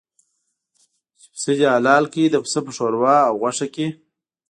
چې پسه دې حلال کړ د پسه په شوروا او غوښه کې.